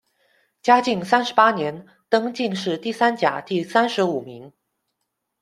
嘉靖三十八年，登进士第三甲第三十五名。